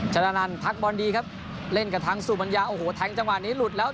จราณานทักบอลดีครับเล่นกับทั้งสู่บรรยาโอ้โหจังหวัดนี้หลุดแล้ว